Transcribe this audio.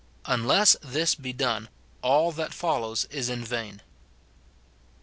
Unless this be done all that follows is in vain. (2.)